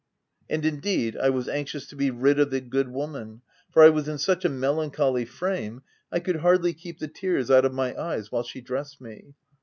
And indeed, I was anxious to be rid of the good woman, for I was in such a melancholy frame I could hardly keep the tears out of my eyes while she dressed me.